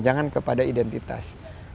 jangan kepada identitas